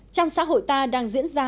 trong xã hội ta đang diễn ra